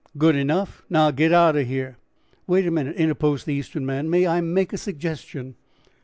"Good enough! Now get out of here." "Wait a minute," interposed the Eastern man; "may I make a suggestion?"